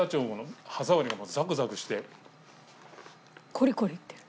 コリコリいってる。